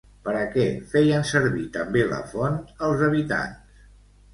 Per a què feien servir també la font els habitants?